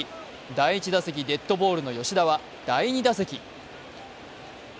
第１打席デッドボールの吉田は第２打席。